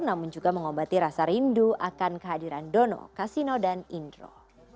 namun juga mengobati rasa rindu akan kehadiran dono kasino dan indro